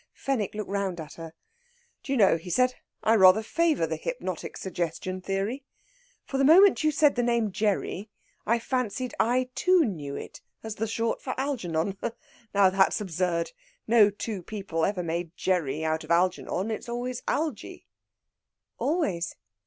Fenwick looked round at her. "Do you know," he said, "I rather favour the hypnotic suggestion theory. For the moment you said the name Gerry, I fancied I too knew it as the short for Algernon. Now, that's absurd! No two people ever made Gerry out of Algernon. It's always Algy." "Always.